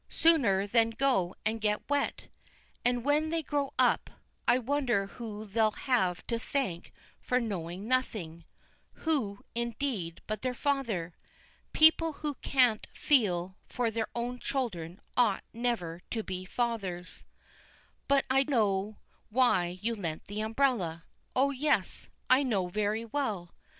sooner than go and get wet. And when they grow up, I wonder who they'll have to thank for knowing nothing who, indeed, but their father? People who can't feel for their own children ought never to be fathers. "But I know why you lent the umbrella. Oh, yes; I know very well.